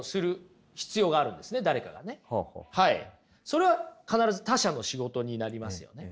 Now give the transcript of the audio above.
それは必ず他者の仕事になりますよね。